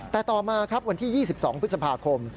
แต่ต่อมาครับวันที่๒๒พฤษภาคม